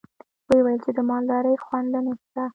ويې ويل چې د مالدارۍ خونده نشته.